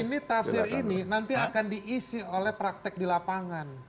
ini tafsir ini nanti akan diisi oleh praktek di lapangan